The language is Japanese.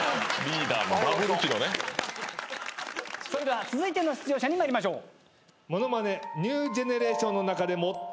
それでは続いての出場者に参りましょう。